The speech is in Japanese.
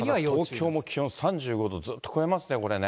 ただ東京も気温３５度、ずっと超えますね、これね。